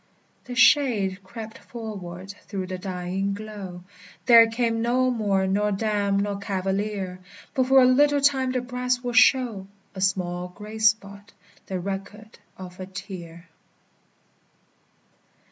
The shade crept forward through the dying glow; There came no more nor dame nor cavalier; But for a little time the brass will show A small gray spot, the record of a tear.